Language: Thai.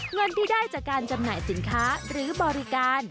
เงินที่ได้จากการจำหน่ายสินค้าหรือบริการ